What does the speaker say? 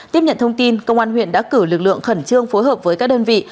tiếp nhận thông tin công an huyện đã cử lực lượng khẩn trương phối hợp với các đơn vị